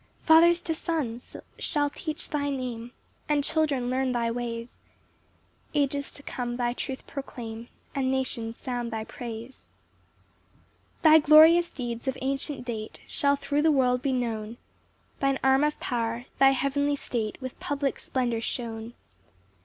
4 Fathers to Sons shall teach thy Name, And children learn thy ways; Ages to come thy truth proclaim, And nations sound thy praise. 5 Thy glorious deeds of ancient date Shall thro' the world be known; Thine arm of power, thy heavenly state, With public splendor shown.